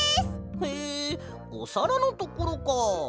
へえおさらのところか。